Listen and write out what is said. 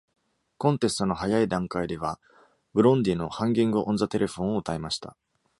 コンテストの早い段階ではブロンディの「ハンギング・オン・ザ・テレフォン」を歌いました。